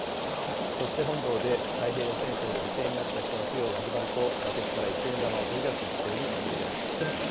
そして本堂で太平洋戦争で犠牲になった人の供養が始まると、バケツから一円玉を取り出し、一斉に投げ入れました。